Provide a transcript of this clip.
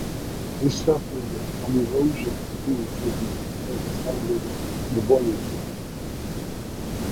They suffered from erosion due to the high accelerating voltages.